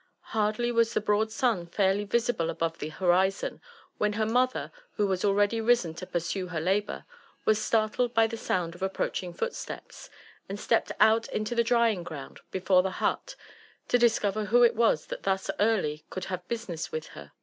Hardly was the broad sun fairly Tisible above the horizon, when her mother, who was already risen to pursue her labour, was startled by the sound of approaching footsteps, and stepped out into the drying ground before the hut to discover who it was that thus early cpuld have business with her.